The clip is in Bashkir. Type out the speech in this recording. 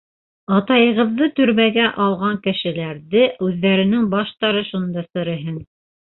Атайығыҙҙы төрмәгә алған кешеләрҙең үҙҙәренең баштары шунда сереһен.